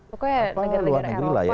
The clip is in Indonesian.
pokoknya negara negara eropa